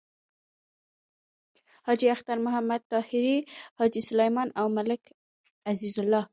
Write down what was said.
حاجی اختر محمد طاهري، حاجی سلیمان او ملک عزیز الله…